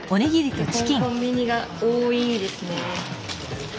基本コンビニが多いですね。